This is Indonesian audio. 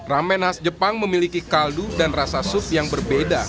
ramen khas jepang memiliki kaldu dan rasa sup yang berbeda